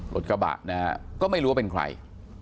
รถกระบะนะฮะก็ไม่รู้ว่าเป็นใคร